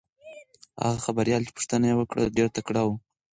هغه خبریاله چې پوښتنه یې وکړه ډېره تکړه وه.